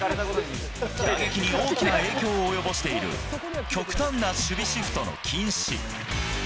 打撃に大きな影響を及ぼしている極端な守備シフトの禁止。